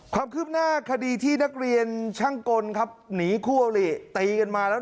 ความคืบหน้าคดีที่นักเรียนช่างกลครับหนีคู่อลิตีกันมาแล้ว